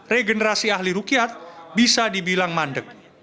regenerasi ahli rukiat bisa dibilang mandek